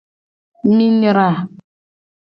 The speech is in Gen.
Mi nyra.